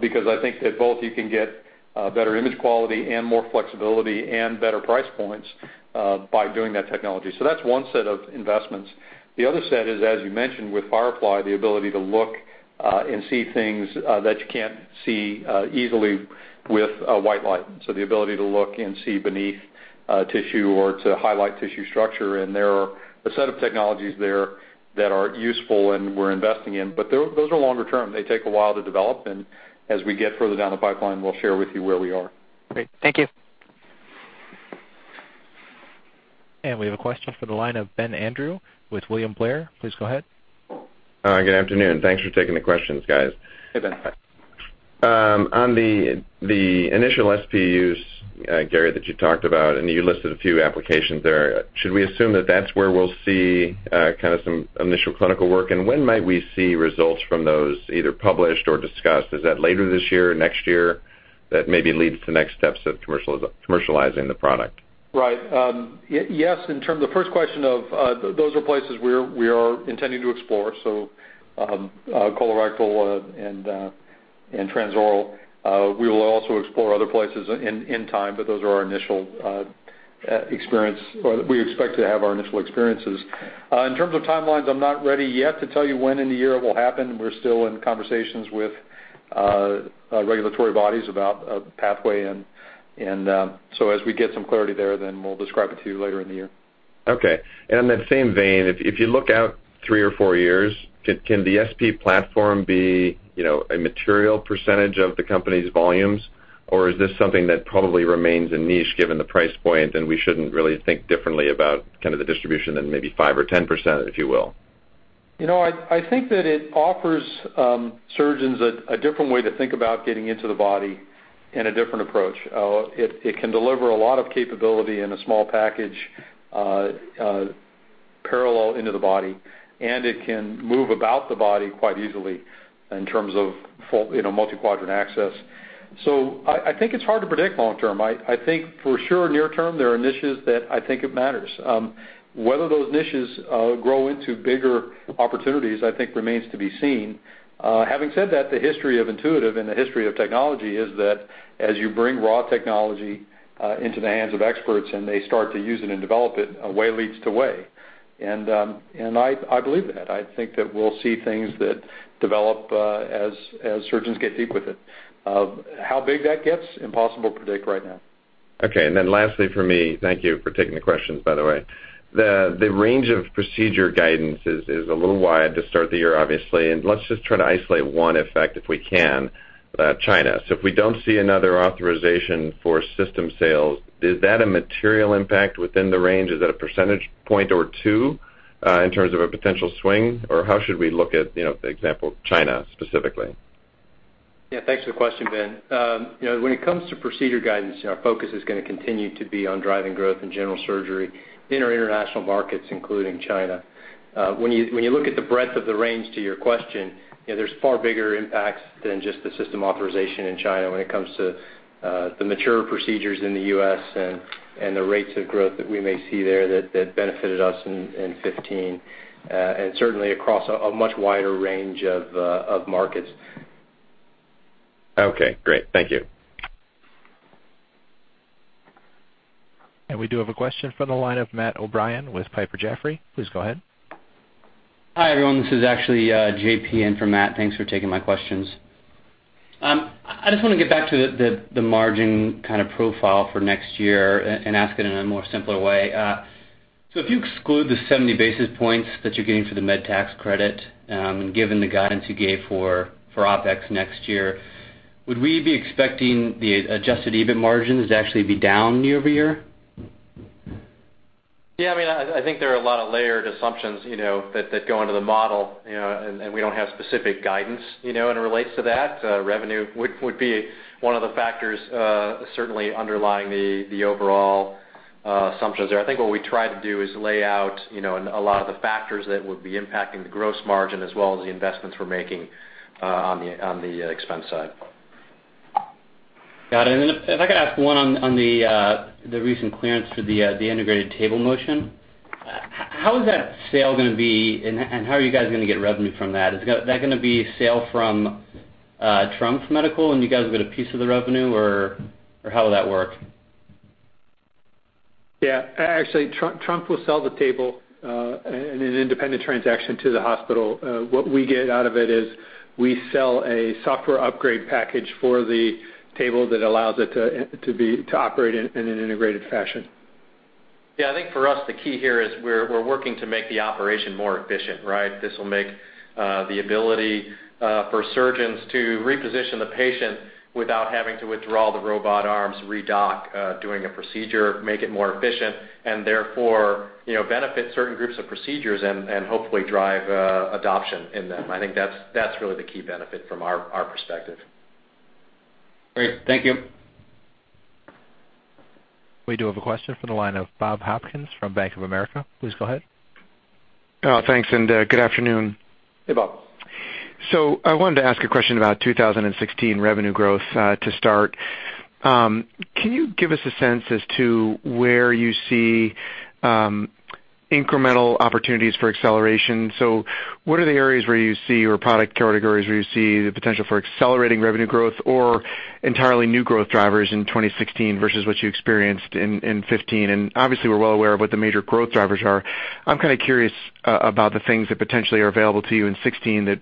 Speaker 3: because I think that both you can get better image quality and more flexibility and better price points by doing that technology. That's one set of investments. The other set is, as you mentioned, with Firefly, the ability to look and see things that you can't see easily with white light. The ability to look and see beneath tissue or to highlight tissue structure. There are a set of technologies there that are useful and we're investing in, but those are longer term. They take a while to develop, and as we get further down the pipeline, we'll share with you where we are.
Speaker 8: Great. Thank you.
Speaker 1: We have a question for the line of Ben Andrew with William Blair. Please go ahead.
Speaker 9: Good afternoon. Thanks for taking the questions, guys.
Speaker 3: Hey, Ben.
Speaker 9: On the initial SP use, Gary, that you talked about, you listed a few applications there, should we assume that that's where we'll see kind of some initial clinical work? When might we see results from those either published or discussed? Is that later this year or next year that maybe leads to next steps of commercializing the product?
Speaker 3: Right. Yes, the first question of those are places we are intending to explore, colorectal and transoral. We will also explore other places in time, those are our initial experience, or we expect to have our initial experiences. In terms of timelines, I'm not ready yet to tell you when in the year it will happen. We're still in conversations with regulatory bodies about pathway as we get some clarity there, we'll describe it to you later in the year.
Speaker 9: Okay. In that same vein, if you look out three or four years, can the SP platform be a material % of the company's volumes? Or is this something that probably remains a niche given the price point, and we shouldn't really think differently about kind of the distribution than maybe 5 or 10%, if you will?
Speaker 3: I think that it offers surgeons a different way to think about getting into the body and a different approach. It can deliver a lot of capability in a small package parallel into the body, and it can move about the body quite easily in terms of multi-quadrant access. I think it's hard to predict long term. I think for sure near term, there are niches that I think it matters. Whether those niches grow into bigger opportunities, I think remains to be seen. Having said that, the history of Intuitive and the history of technology is that as you bring raw technology into the hands of experts and they start to use it and develop it, a way leads to way. I believe that. I think that we'll see things that develop as surgeons get deep with it. How big that gets? Impossible to predict right now.
Speaker 9: Okay. Lastly for me, thank you for taking the questions, by the way. The range of procedure guidance is a little wide to start the year, obviously. Let's just try to isolate one effect if we can, China. If we don't see another authorization for system sales, is that a material impact within the range? Is that a percentage point or two in terms of a potential swing? How should we look at, for example, China specifically?
Speaker 5: Yeah. Thanks for the question, Ben. When it comes to procedure guidance, our focus is going to continue to be on driving growth in general surgery in our international markets, including China. When you look at the breadth of the range to your question, there's far bigger impacts than just the system authorization in China when it comes to the mature procedures in the U.S. and the rates of growth that we may see there that benefited us in 2015, certainly across a much wider range of markets.
Speaker 9: Okay, great. Thank you.
Speaker 1: We do have a question from the line of Matthew O'Brien with Piper Jaffray. Please go ahead.
Speaker 10: Hi, everyone. This is actually J.P. in for Matt. Thanks for taking my questions. I just want to get back to the margin kind of profile for next year and ask it in a more simpler way. If you exclude the 70 basis points that you're getting for the med tax credit, and given the guidance you gave for OpEx next year, would we be expecting the adjusted EBIT margins to actually be down year-over-year?
Speaker 5: I think there are a lot of layered assumptions that go into the model, and we don't have specific guidance, in relates to that. Revenue would be one of the factors certainly underlying the overall assumptions there. I think what we try to do is lay out a lot of the factors that would be impacting the gross margin as well as the investments we're making on the expense side.
Speaker 10: Got it. Then if I could ask one on the recent clearance for the integrated table motion. How is that sale going to be, and how are you guys going to get revenue from that? Is that going to be sale from TRUMPF Medical and you guys get a piece of the revenue, or how will that work?
Speaker 4: Actually, TRUMPF will sell the table in an independent transaction to the hospital. What we get out of it is we sell a software upgrade package for the table that allows it to operate in an integrated fashion.
Speaker 3: I think for us, the key here is we're working to make the operation more efficient, right? This will make the ability for surgeons to reposition the patient without having to withdraw the robot arms, redock during a procedure, make it more efficient, and therefore, benefit certain groups of procedures and hopefully drive adoption in them. I think that's really the key benefit from our perspective.
Speaker 10: Great. Thank you.
Speaker 1: We do have a question from the line of Bob Hopkins from Bank of America. Please go ahead.
Speaker 11: Thanks, good afternoon.
Speaker 4: Hey, Bob.
Speaker 11: I wanted to ask a question about 2016 revenue growth to start. Can you give us a sense as to where you see incremental opportunities for acceleration? What are the areas where you see, or product categories where you see the potential for accelerating revenue growth or entirely new growth drivers in 2016 versus what you experienced in 2015? Obviously, we're well aware of what the major growth drivers are. I'm kind of curious about the things that potentially are available to you in 2016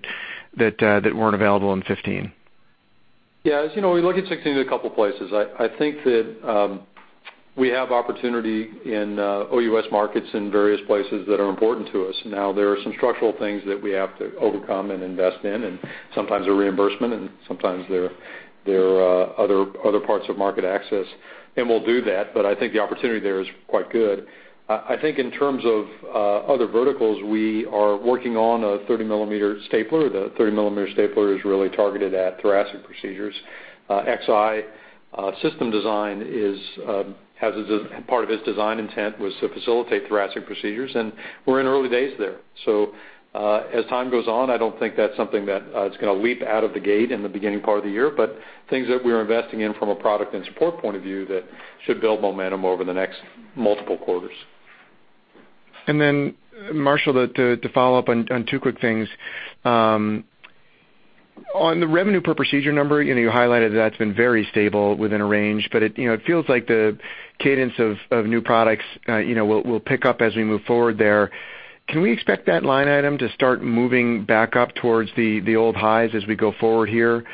Speaker 11: that weren't available in 2015.
Speaker 3: Yeah. As you know, we look at 2016 in a couple of places. I think that we have opportunity in OUS markets in various places that are important to us. There are some structural things that we have to overcome and invest in, and sometimes they're reimbursement and sometimes they're other parts of market access. We'll do that, but I think the opportunity there is quite good. I think in terms of other verticals, we are working on a 30-millimeter stapler. The 30-millimeter stapler is really targeted at thoracic procedures. Xi system design, part of its design intent was to facilitate thoracic procedures, and we're in early days there.
Speaker 4: As time goes on, I don't think that's something that it's going to leap out of the gate in the beginning part of the year, but things that we're investing in from a product and support point of view that should build momentum over the next multiple quarters.
Speaker 11: Marshall, to follow up on two quick things. On the revenue per procedure number, you highlighted that's been very stable within a range, but it feels like the cadence of new products will pick up as we move forward there. Can we expect that line item to start moving back up towards the old highs as we go forward here?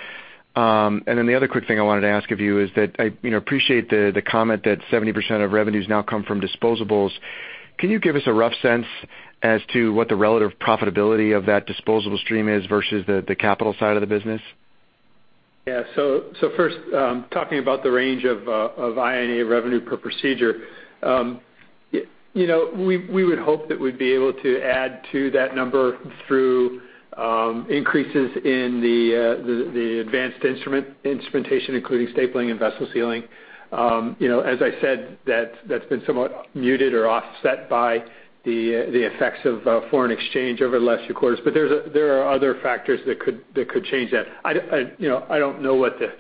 Speaker 11: The other quick thing I wanted to ask of you is that I appreciate the comment that 70% of revenues now come from disposables. Can you give us a rough sense as to what the relative profitability of that disposable stream is versus the capital side of the business?
Speaker 4: Yeah. First, talking about the range of I&A revenue per procedure. We would hope that we'd be able to add to that number through increases in the advanced instrumentation, including stapling and vessel sealing. As I said, that's been somewhat muted or offset by the effects of foreign exchange over the last few quarters. There are other factors that could change that. I don't know what the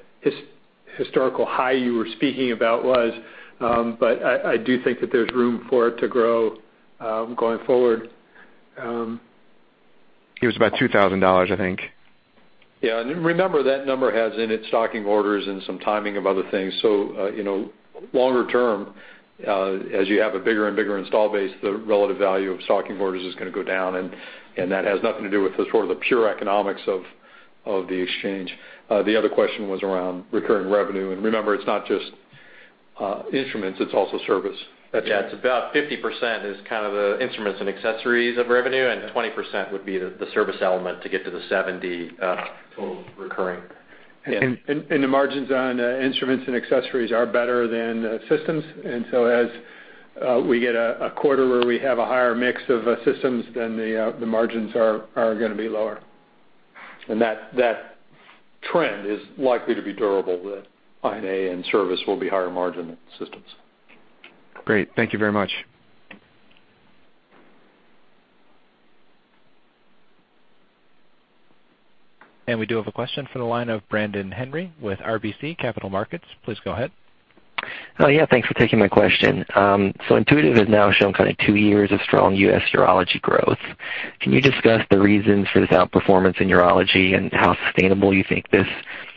Speaker 4: historical high you were speaking about was. I do think that there's room for it to grow going forward.
Speaker 11: It was about $2,000, I think.
Speaker 4: Yeah. Remember, that number has in it stocking orders and some timing of other things. Longer term, as you have a bigger and bigger install base, the relative value of stocking orders is going to go down, and that has nothing to do with the sort of the pure economics of the exchange. The other question was around recurring revenue, and remember, it's not just instruments, it's also service.
Speaker 5: Yeah. It's about 50% is kind of the instruments and accessories of revenue, and 20% would be the service element to get to the 70% total recurring.
Speaker 4: The margins on instruments and accessories are better than systems. As we get a quarter where we have a higher mix of systems, then the margins are going to be lower. That trend is likely to be durable, that I&A and service will be higher margin than systems.
Speaker 1: Great. Thank you very much. We do have a question from the line of Brandon Henry with RBC Capital Markets. Please go ahead.
Speaker 12: Yeah. Thanks for taking my question. Intuitive has now shown kind of two years of strong U.S. urology growth. Can you discuss the reasons for this outperformance in urology and how sustainable you think this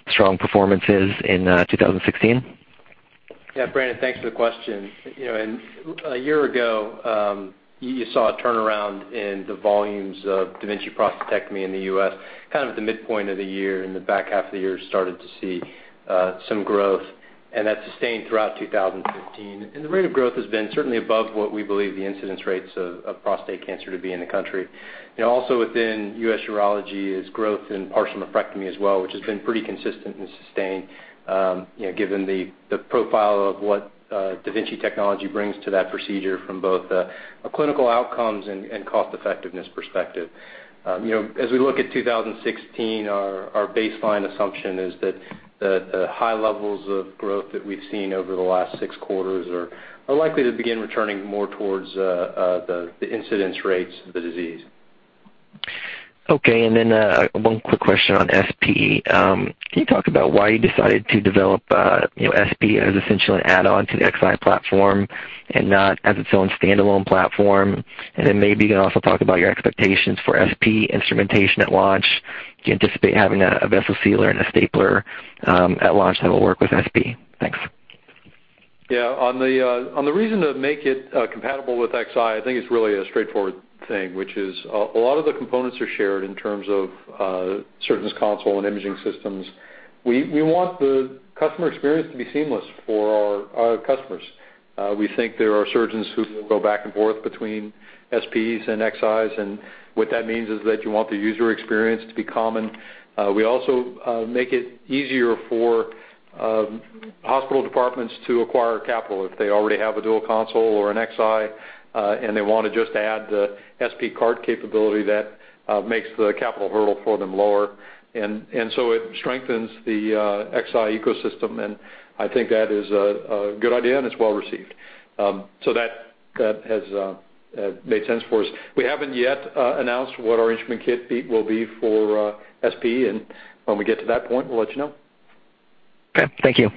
Speaker 12: strong performance is in 2016?
Speaker 5: Yeah. Brandon, thanks for the question. A year ago, you saw a turnaround in the volumes of da Vinci prostatectomy in the U.S., kind of at the midpoint of the year. In the back half of the year, started to see some growth, and that sustained throughout 2015. The rate of growth has been certainly above what we believe the incidence rates of prostate cancer to be in the country. Also within U.S. urology is growth in partial nephrectomy as well, which has been pretty consistent and sustained given the profile of what da Vinci technology brings to that procedure from both a clinical outcomes and cost effectiveness perspective. As we look at 2016, our baseline assumption is that the high levels of growth that we've seen over the last six quarters are likely to begin returning more towards the incidence rates of the disease.
Speaker 12: Okay. One quick question on SP. Can you talk about why you decided to develop SP as essentially an add-on to the Xi platform and not as its own standalone platform? Maybe you can also talk about your expectations for SP instrumentation at launch. Do you anticipate having a vessel sealer and a stapler at launch that will work with SP? Thanks.
Speaker 3: Yeah. On the reason to make it compatible with Xi, I think it's really a straightforward thing, which is a lot of the components are shared in terms of surgeons' console and imaging systems. We want the customer experience to be seamless for our customers. We think there are surgeons who will go back and forth between SPs and Xis, and what that means is that you want the user experience to be common. We also make it easier for hospital departments to acquire capital if they already have a dual console or a Xi, and they want to just add the SP cart capability that makes the capital hurdle for them lower. It strengthens the Xi ecosystem, and I think that is a good idea, and it's well received. That has made sense for us. We haven't yet announced what our instrument kit fee will be for SP, and when we get to that point, we'll let you know.
Speaker 12: Okay. Thank you.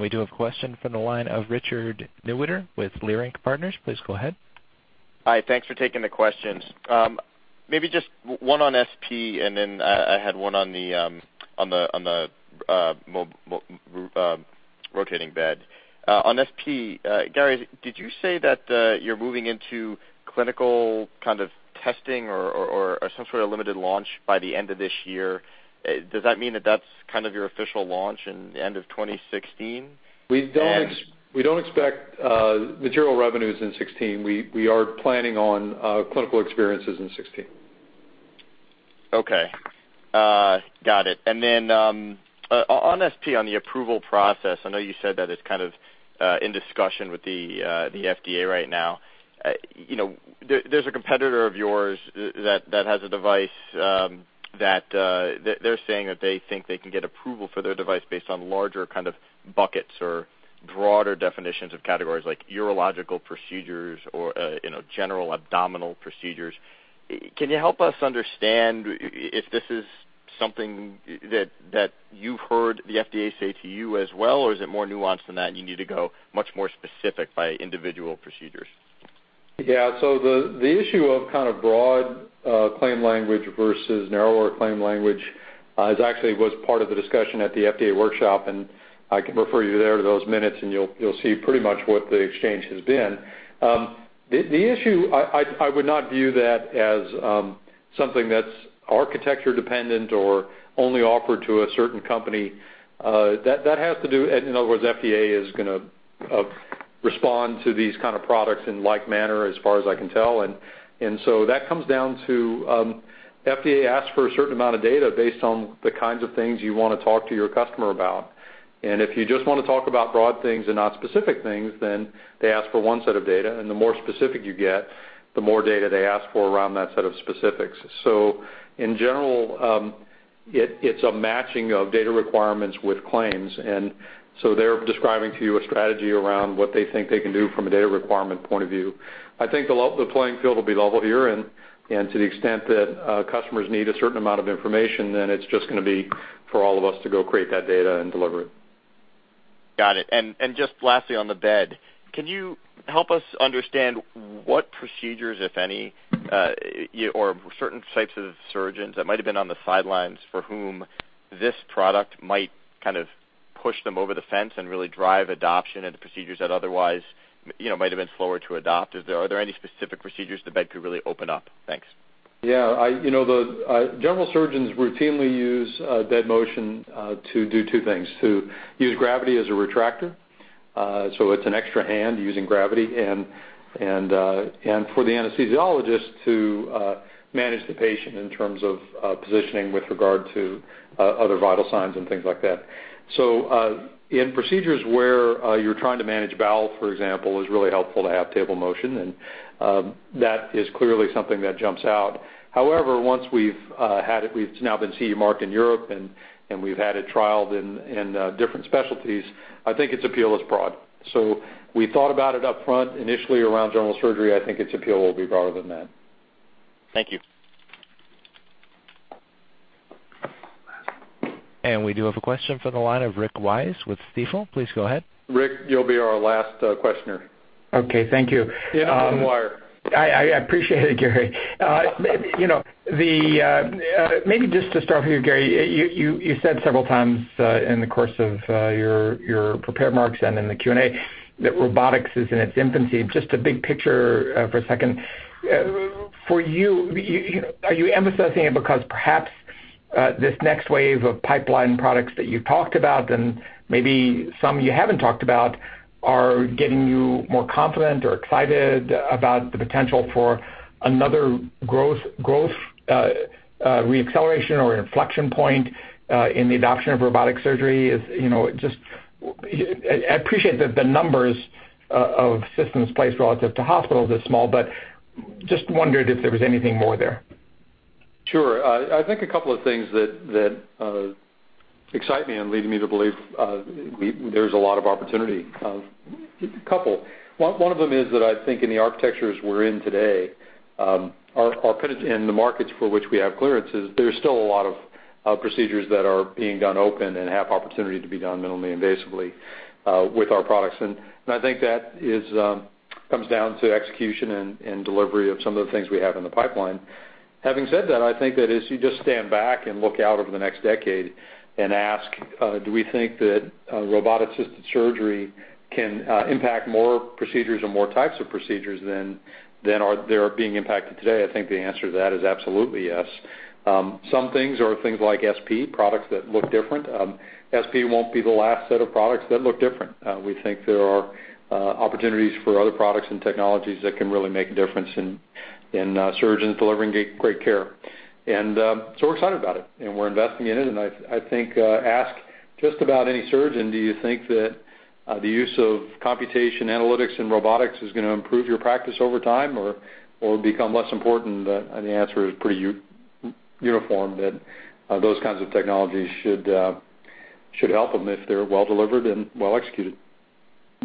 Speaker 1: We do have a question from the line of Richard Newitter with Leerink Partners. Please go ahead.
Speaker 13: Hi. Thanks for taking the questions. Maybe just one on da Vinci SP, and then I had one on the rotating bed. On da Vinci SP, Gary Guthart, did you say that you're moving into clinical kind of testing or some sort of limited launch by the end of this year? Does that mean that that's kind of your official launch in the end of 2016?
Speaker 3: We don't expect material revenues in 2016. We are planning on clinical experiences in 2016.
Speaker 13: Okay. Got it. Then on da Vinci SP, on the approval process, I know you said that it's kind of in discussion with the FDA right now. There's a competitor of yours that has a device that they're saying that they think they can get approval for their device based on larger kind of buckets or broader definitions of categories like urological procedures or general abdominal procedures. Can you help us understand if this is something that you've heard the FDA say to you as well, or is it more nuanced than that, and you need to go much more specific by individual procedures?
Speaker 3: Yeah. The issue of kind of broad claim language versus narrower claim language is actually was part of the discussion at the FDA workshop, and I can refer you there to those minutes, and you'll see pretty much what the exchange has been. The issue, I would not view that as something that's architecture dependent or only offered to a certain company. That has to do, in other words, FDA is going to respond to these kind of products in like manner as far as I can tell. That comes down to FDA asks for a certain amount of data based on the kinds of things you want to talk to your customer about. If you just want to talk about broad things and not specific things, then they ask for one set of data, and the more specific you get, the more data they ask for around that set of specifics. In general, it's a matching of data requirements with claims. They're describing to you a strategy around what they think they can do from a data requirement point of view. I think the playing field will be level here, and to the extent that customers need a certain amount of information, then it's just going to be for all of us to go create that data and deliver it.
Speaker 13: Got it. Just lastly on the bed, can you help us understand what procedures, if any, or certain types of surgeons that might have been on the sidelines for whom this product might kind of push them over the fence and really drive adoption into procedures that otherwise might have been slower to adopt? Are there any specific procedures the bed could really open up? Thanks.
Speaker 3: Yeah. General surgeons routinely use bed motion to do two things: to use gravity as a retractor, so it's an extra hand using gravity, and for the anesthesiologist to manage the patient in terms of positioning with regard to other vital signs and things like that. In procedures where you're trying to manage bowel, for example, it's really helpful to have table motion, and that is clearly something that jumps out. However, once we've had it, we've now been CE marked in Europe, and we've had it trialed in different specialties. I think its appeal is broad. We thought about it upfront initially around general surgery. I think its appeal will be broader than that.
Speaker 13: Thank you.
Speaker 1: We do have a question from the line of Rick Wise with Stifel. Please go ahead.
Speaker 3: Rick, you'll be our last questioner.
Speaker 14: Okay. Thank you.
Speaker 3: Yeah. You're on line.
Speaker 14: I appreciate it, Gary. Maybe just to start here, Gary, you said several times in the course of your prepared remarks and in the Q&A that robotics is in its infancy. Just a big picture for a second. For you, are you emphasizing it because perhaps this next wave of pipeline products that you've talked about, and maybe some you haven't talked about, are getting you more confident or excited about the potential for another growth re-acceleration or inflection point in the adoption of robotic surgery? I appreciate that the numbers of systems placed relative to hospitals is small, but just wondered if there was anything more there.
Speaker 3: Sure. I think a couple of things that excite me and lead me to believe there's a lot of opportunity. A couple. One of them is that I think in the architectures we're in today, and the markets for which we have clearances, there's still a lot of procedures that are being done open and have opportunity to be done minimally invasively with our products. I think that comes down to execution and delivery of some of the things we have in the pipeline. Having said that, I think that as you just stand back and look out over the next decade and ask, do we think that robotic-assisted surgery can impact more procedures or more types of procedures than are there being impacted today? I think the answer to that is absolutely yes. Some things are things like SP, products that look different. SP won't be the last set of products that look different. We think there are opportunities for other products and technologies that can really make a difference in surgeons delivering great care. We're excited about it, and we're investing in it, and I think ask just about any surgeon, do you think that the use of computation analytics and robotics is going to improve your practice over time or become less important? The answer is pretty uniform that those kinds of technologies should help them if they're well-delivered and well-executed.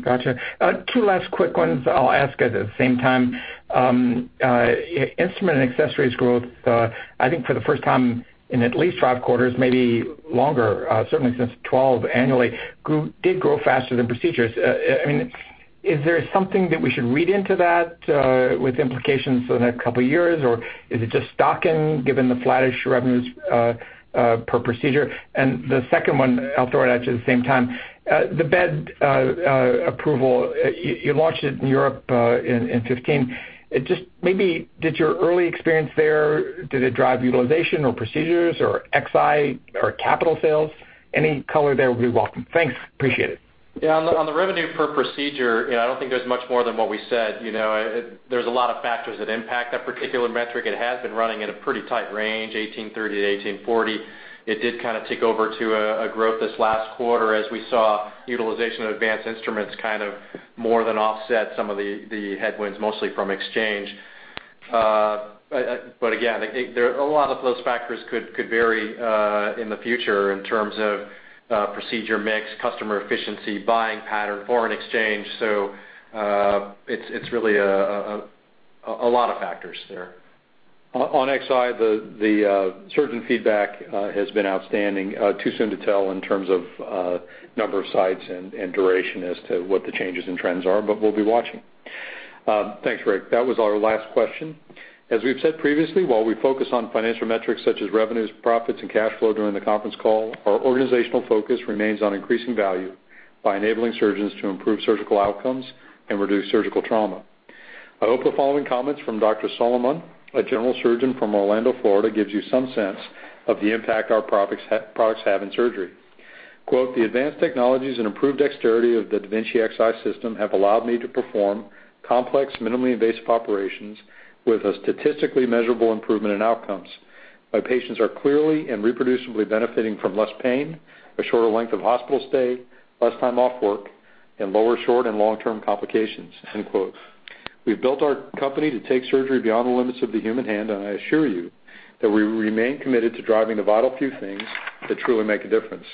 Speaker 14: Got you. Two last quick ones I'll ask at the same time. Instrument and accessories growth, I think for the first time in at least five quarters, maybe longer, certainly since 2012 annually, did grow faster than procedures. Is there something that we should read into that with implications for the next couple of years, or is it just stocking given the flattish revenues per procedure? The second one, I'll throw it at you at the same time. The bed approval, you launched it in Europe in 2015. Maybe did your early experience there, did it drive utilization or procedures or Xi or capital sales? Any color there would be welcome. Thanks. Appreciate it.
Speaker 2: On the revenue per procedure, I don't think there's much more than what we said. There's a lot of factors that impact that particular metric. It has been running at a pretty tight range, $1,830 to $1,840. It did kind of tick over to a growth this last quarter as we saw utilization of advanced instruments kind of more than offset some of the headwinds, mostly from exchange. Again, a lot of those factors could vary in the future in terms of procedure mix, customer efficiency, buying pattern, foreign exchange. It's really a lot of factors there.
Speaker 3: On Xi, the surgeon feedback has been outstanding. Too soon to tell in terms of number of sites and duration as to what the changes and trends are, but we'll be watching. Thanks, Rick. That was our last question. As we've said previously, while we focus on financial metrics such as revenues, profits, and cash flow during the conference call, our organizational focus remains on increasing value by enabling surgeons to improve surgical outcomes and reduce surgical trauma. I hope the following comments from Dr. Soliman, a general surgeon from Orlando, Florida, gives you some sense of the impact our products have in surgery. Quote, "The advanced technologies and improved dexterity of the da Vinci Xi system have allowed me to perform complex, minimally invasive operations with a statistically measurable improvement in outcomes. My patients are clearly and reproducibly benefiting from less pain, a shorter length of hospital stay, less time off work, and lower short- and long-term complications." End quote. We've built our company to take surgery beyond the limits of the human hand, and I assure you that we remain committed to driving the vital few things that truly make a difference.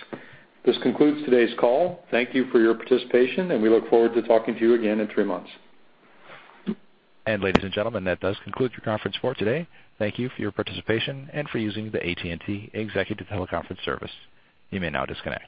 Speaker 3: This concludes today's call. Thank you for your participation, and we look forward to talking to you again in three months.
Speaker 1: Ladies and gentlemen, that does conclude your conference for today. Thank you for your participation and for using the AT&T TeleConference Services. You may now disconnect.